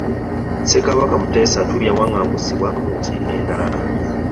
Ssekabaka Muteesa II yawaŋŋangusibwa mu nsi endala.